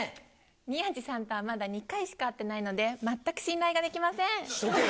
宮治さんとは、まだ２回しか会っていないので、全く信頼ができません。